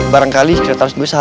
barangkali sekretaris gue salah ntar